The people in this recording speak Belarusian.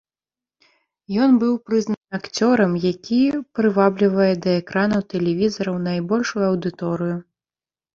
Ён быў прызнаны акцёрам, якія прываблівае да экранаў тэлевізараў найбольшую аўдыторыю.